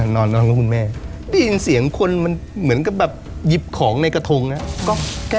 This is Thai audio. นอนกับคุณแม่ได้ยินเสียงคนมันเหมือนกับแบบหยิบของในกระทงนะ